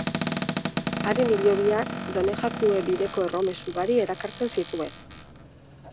Haren hilobiak Donejakue bideko erromes ugari erakartzen zituen.